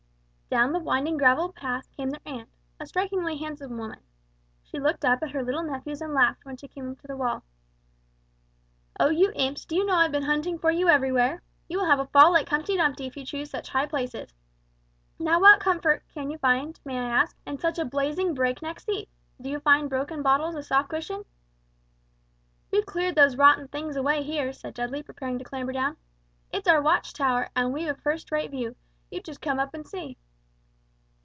Down the winding gravel path came their aunt; a strikingly handsome woman. She looked up at her little nephews and laughed when she came to the wall. "Oh, you imps, do you know I've been hunting for you everywhere! You will have a fall like Humpty Dumpty if you choose such high perches. Now what comfort can you find, may I ask, in such a blazing breakneck seat? Do you find broken bottles a soft cushion?" "We've cleared those rotten things away here," said Dudley, preparing to clamber down; "it's our watch tower, and we've a first rate view, you just come up and see!"